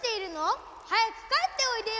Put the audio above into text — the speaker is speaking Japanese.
はやくかえっておいでよ。